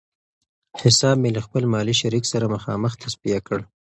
حساب مې له خپل مالي شریک سره مخامخ تصفیه کړ.